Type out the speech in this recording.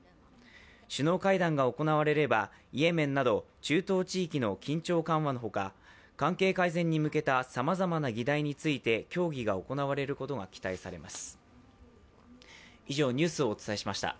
首脳会談が行われれば、イエメンなど中東地域の緊張緩和のほか関係改善に向けたさまざまな議題について協議が行われることが期待されます。